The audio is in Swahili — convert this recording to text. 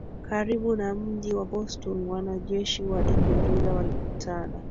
karibu na mji wa Boston Wanajeshi Waingereza walikutana